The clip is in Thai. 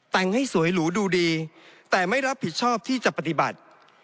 แต่งให้สวยหรูดูดีแต่ไม่รับผิดชอบที่จะปฏิบัติ